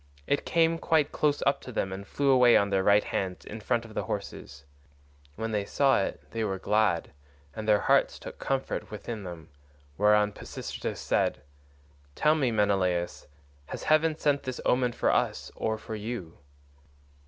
It came quite close up to them and flew away on their right hands in front of the horses. When they saw it they were glad, and their hearts took comfort within them, whereon Pisistratus said, "Tell me, Menelaus, has heaven sent this omen for us or for you?"